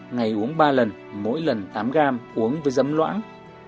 ngày uống ba lần mỗi lần tám gram uống với giấm loãng